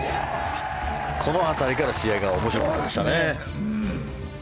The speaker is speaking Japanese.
この辺りから試合が面白くなってきましたね。